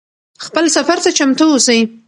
خپل سفر ته چمتو اوسئ.